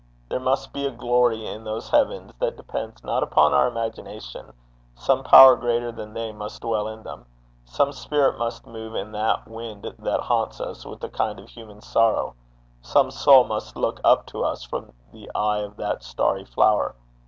There must be a glory in those heavens that depends not upon our imagination: some power greater than they must dwell in them. Some spirit must move in that wind that haunts us with a kind of human sorrow; some soul must look up to us from the eye of that starry flower.